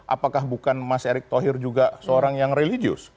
apakah bukan mas erick thohir juga seorang yang religius